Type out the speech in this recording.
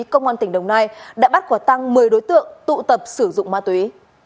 công an tỉnh đồng nai đã bắt quả tăng một mươi đối tượng tụ tập sử dụng ma túy